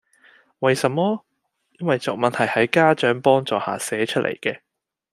為什麼?因為作文係喺家長幫助下寫出嚟嘅